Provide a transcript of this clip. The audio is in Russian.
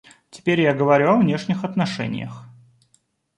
Теперь я говорю о внешних отношениях.